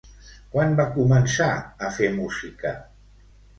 Quan va començar a fer música?